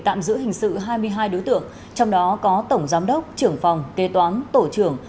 tạm giữ hình sự hai mươi hai đối tượng trong đó có tổng giám đốc trưởng phòng kế toán tổ trưởng